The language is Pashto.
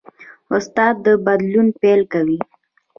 استاد د بدلون پیل کوي.